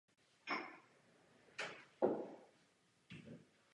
Netrvá to dlouho a otec se s Andym rozloučí a odjede do Nového Mexika.